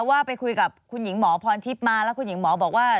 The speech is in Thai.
ว่าไปคุยกับคุณหญิงหมอพรทิพย์มาแล้วคุณหญิงหมอบอกว่า